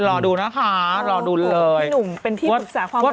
รอดูนะคะรอดูเลยพี่หนุ่มเป็นที่ปรึกษาความรัก